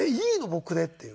僕でっていう。